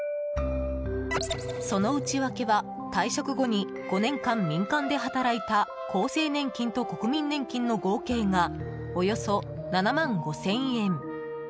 その内訳は退職後に５年間、民間で働いた厚生年金と国民年金の合計がおよそ７万５０００円。